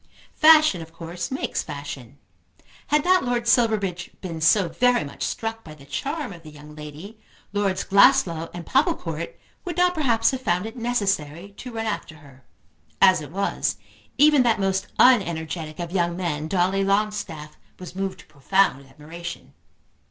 Fashion of course makes fashion. Had not Lord Silverbridge been so very much struck by the charm of the young lady, Lords Glasslough and Popplecourt would not perhaps have found it necessary to run after her. As it was, even that most unenergetic of young men, Dolly Longstaff, was moved to profound admiration.